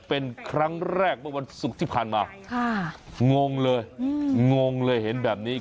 เป็นครั้งแรกเมื่อวันศุกร์ที่ผ่านมาค่ะงงเลยงงเลยเห็นแบบนี้